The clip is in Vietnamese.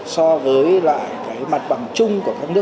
so với mặt bằng chung